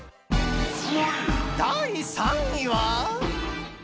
［第３位は］